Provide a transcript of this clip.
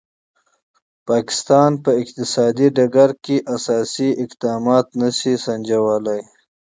پاکستان په اقتصادي ډګر کې اساسي تدابیر نه شي سنجولای.